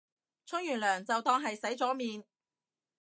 沖完涼就當係洗咗面